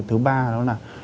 thứ ba đó là